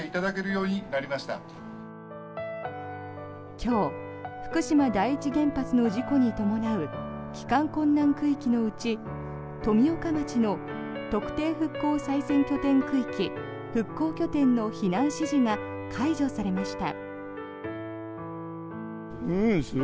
今日福島第一原発の事故に伴う帰還困難区域のうち富岡町の特定復興再生拠点区域復興拠点の避難指示が解除されました。